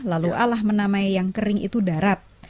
lalu alah menamai yang kering itu darat